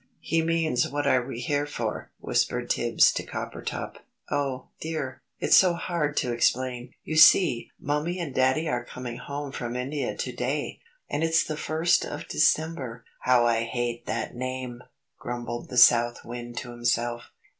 "He means what are we here for," whispered Tibbs to Coppertop. "Oh, dear! It's so hard to explain. You see, Mummie and Daddy are coming home from India to day and it's the first of December." "How I hate that name!" grumbled the South Wind to himself.